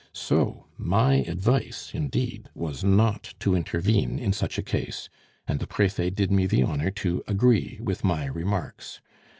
So my advice, indeed, was not to intervene in such a case, and the Prefet did me the honor to agree with my remarks.